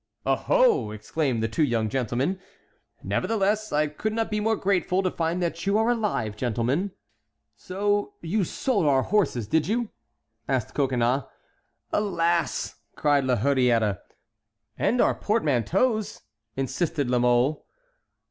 "Oho!" exclaimed the two young men. "Nevertheless, I could not be more grateful to find that you are alive, gentlemen." "So you sold our horses, did you?" asked Coconnas. "Alas!" cried La Hurière. "And our portmanteaus?" insisted La Mole.